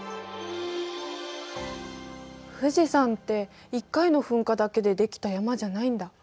富士山って１回の噴火だけで出来た山じゃないんだ。